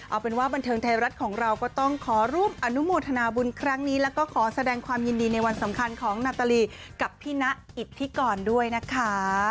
เอาเป็นว่าบันเทิงไทยรัฐของเราก็ต้องขอร่วมอนุโมทนาบุญครั้งนี้แล้วก็ขอแสดงความยินดีในวันสำคัญของนาตาลีกับพี่นะอิทธิกรด้วยนะคะ